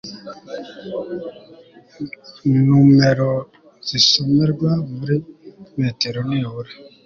numero zisomerwa muri metero nibura